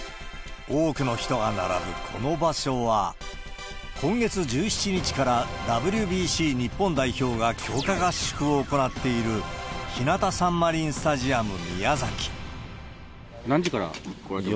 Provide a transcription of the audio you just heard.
多くの人が並ぶこの場所は、今月１７日からＷＢＣ日本代表が強化合宿を行っている、何時から来られてますか？